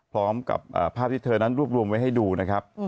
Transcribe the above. พร้อมกับภาพที่เธอนั้นรวบรวมไว้ให้ดูนะครับ